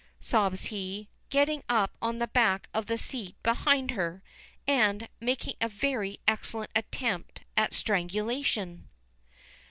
sobs he, getting up on the back of the seat behind her, and making a very excellent attempt at strangulation.